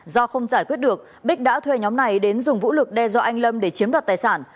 do không giải quyết được bích đã thuê nhóm này đến dùng vũ lực đe dọa anh lâm để chiếm đoạt tài sản